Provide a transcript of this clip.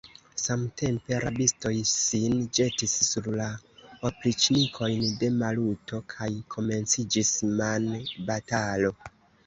Samtempe rabistoj, sin ĵetis sur la opriĉnikojn de Maluto, kaj komenciĝis manbatalo!